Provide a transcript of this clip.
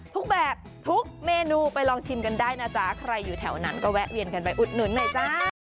ทุกแบบทุกเมนูไปลองชิมกันได้นะจ๊ะใครอยู่แถวนั้นก็แวะเวียนกันไปอุดหนุนหน่อยจ้า